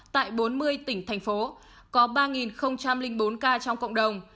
tình hình dịch covid một mươi chín trong ngày đó tại bốn mươi tỉnh thành phố có ba bốn ca trong cộng đồng